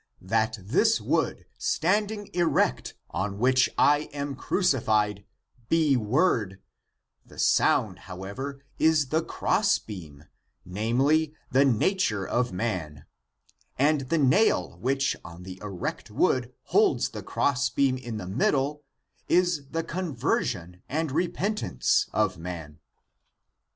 "^ That this wood standing erect, on which I am crucified, be Word ; the sound, however, is the crossbeam (namely, the) nature of man ; and the nail which on the erect wood holds the crossbeam in the middle is the conversion and repentance of man.